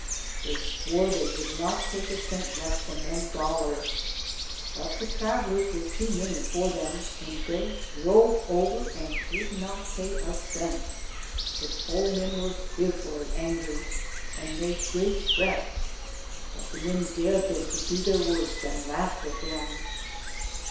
They swore they would not take a cent less than one dollar. But the travelers were too many for them, and they drove over and did not pay a cent. The toll men were fearfully angry, and made great threats, but the men dared them to do their worst and laughed at them.